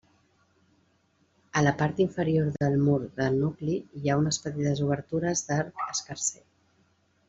A la part inferior del mur del nucli hi ha unes petites obertures d'arc escarser.